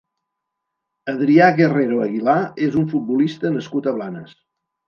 Adrià Guerrero Aguilar és un futbolista nascut a Blanes.